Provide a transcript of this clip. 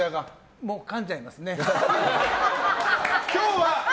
かんじゃいますね。